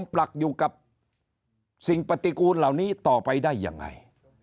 ปฏิกูลเหล่านี้ต่อไปได้ยังไง